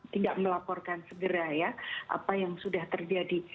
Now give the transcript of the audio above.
tidak melaporkan segera ya apa yang sudah terjadi